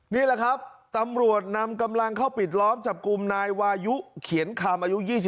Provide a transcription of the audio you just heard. นี่แหละครับตำรวจนำกำลังเข้าปิดล้อมจับกลุ่มนายวายุเขียนคำอายุ๒๒